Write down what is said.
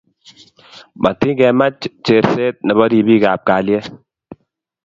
Matikemach Cherset nebo ripik ab kalyet